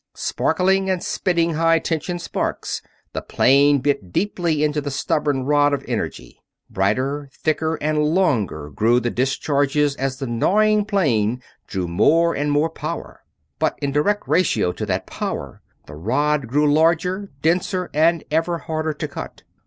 Sparkling and spitting high tension sparks, the plane bit deeply into the stubborn rod of energy. Brighter, thicker, and longer grew the discharges as the gnawing plane drew more and more power; but in direct ratio to that power the rod grew larger, denser, and ever harder to cut.